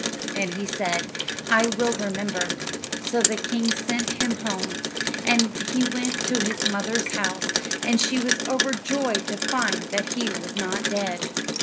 And he said, "I will remember." So the king sent him home, and he went to his mother's house, and she was overjoyed to find that he was not dead.